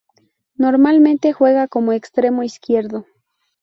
Normalmente juega como extremo izquierdo.